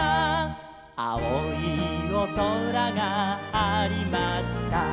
「あおいおそらがありました」